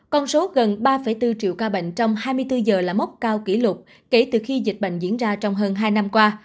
con số gần ba bốn triệu ca bệnh trong hai mươi bốn giờ là mốc cao kỷ lục kể từ khi dịch bệnh diễn ra trong hơn hai năm qua